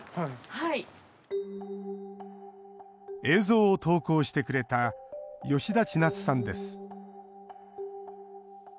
映像を投稿してくれた吉田千夏さんです。